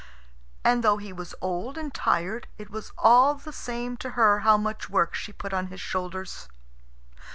And though he was old and tired, it was all the same to her how much work she put on his shoulders.